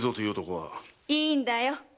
いいんだよ。